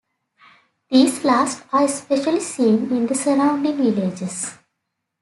These last are especially seen in the surrounding villages.